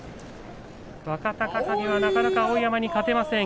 若隆景はなかなか碧山に勝てません。